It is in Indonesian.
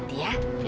terima kasih tante